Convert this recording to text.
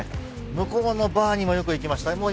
向こうのバーにもよく行きました。